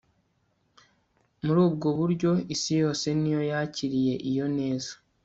muri ubwo buryo isi yose ni yo yakiriye iyo neza